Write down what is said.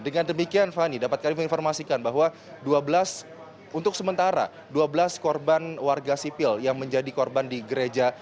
dengan demikian fani dapat kami informasikan bahwa dua belas untuk sementara dua belas korban warga sipil yang menjadi korban di gereja